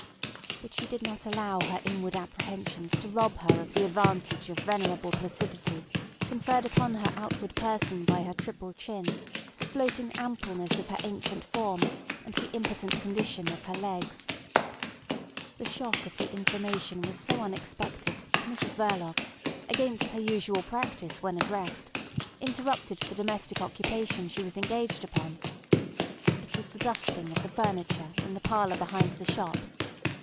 But she did not allow her inward apprehensions to rob her of the advantage of venerable placidity conferred upon her outward person by her triple chin, the floating ampleness of her ancient form, and the impotent condition of her legs. The shock of the information was so unexpected that Mrs Verloc, against her usual practice when addressed, interrupted the domestic occupation she was engaged upon. It was the dusting of the furniture in the parlour behind the shop.